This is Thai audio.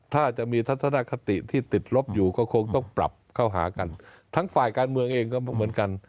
ถ้าจะมีทัศนคติที่ติดลบอยู่ก็คงต้องปรับเข้าหากันทั้งฝ่ายการเมืองเองก็เหมือนกัน